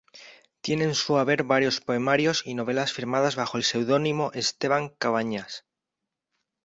Tiene en su haber varios poemarios y novelas firmadas bajo el seudónimo "Esteban Cabañas".